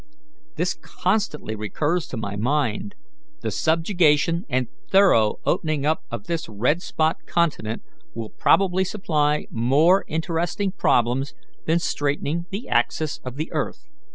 This constantly recurs to my mind. The subjugation and thorough opening up of this red spot continent will probably supply more interesting problems than straightening the axis of the earth."